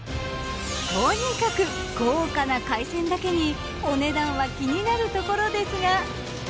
とにかく豪華な海鮮だけにお値段は気になるところですが。